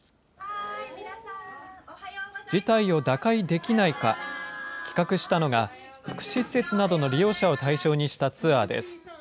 事態を打開できないか、企画したのが、福祉施設などの利用者を対象にしたツアーです。